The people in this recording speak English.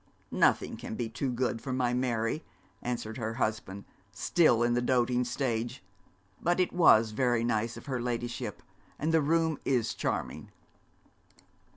'Nothing can be too good for my Mary,' answered her husband, still in the doting stage, 'but it was very nice of her ladyship and the room is charming.'